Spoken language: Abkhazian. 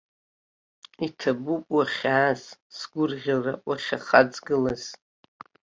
Иҭабуп уахьааз, сгәырӷьара уахьахаҵгылаз.